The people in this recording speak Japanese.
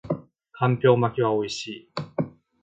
干瓢巻きは美味しい